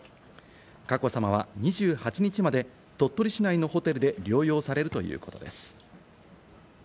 佳子さまは２８日まで、鳥取市内のホテルで療養されるということです。